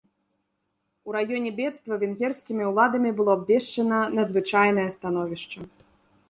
У раёне бедства венгерскімі ўладамі было абвешчана надзвычайнае становішча.